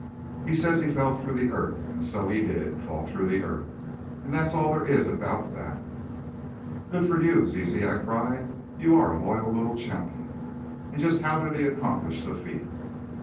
He says he fell through the earth, and so he did fall through the earth, and that's all there is about that!" "Good for you, Zizi!" I cried. "You're a loyal little champion! And just how did he accomplish the feat?"